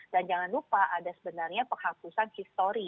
dan jangan lupa ada sebenarnya penghapusan history